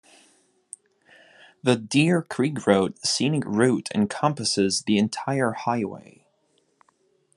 The "Deer Creek Road" scenic route encompasses the entire highway.